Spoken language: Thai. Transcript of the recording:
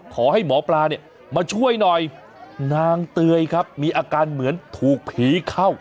ขอให้หมอปลาเนี่ยมาช่วยหน่อยนางเตยครับมีอาการเหมือนถูกผีเข้า